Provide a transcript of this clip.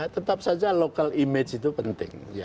tetap saja local image itu penting